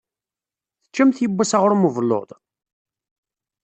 Teččamt yewwas aɣṛum n ubelluḍ?